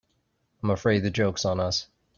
I'm afraid the joke's on us.